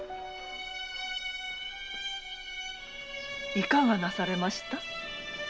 いかがなされました？